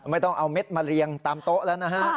ไม่ต้องเอาเม็ดมาเรียงตามโต๊ะแล้วนะฮะ